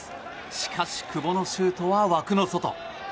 しかし、久保のシュートは枠の外。